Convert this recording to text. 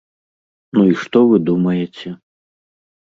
Ну і што вы думаеце?